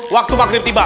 waktu waktu yang tiba